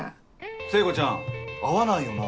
聖子ちゃん会わないよな。